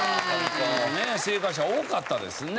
正解者多かったですね。